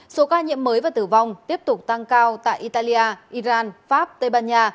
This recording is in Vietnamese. số ca nhiễm mới và tử vong tiếp tục tăng cao tại italia iran pháp tây ban nha